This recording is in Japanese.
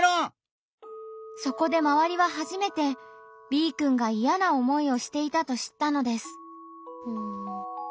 そこで周りは初めてＢくんがいやな思いをしていたと知ったのです。